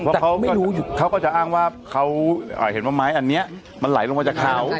เพราะเขาไม่รู้เขาก็จะอ้างว่าเขาเห็นว่าไม้อันนี้มันไหลลงมาจากเขา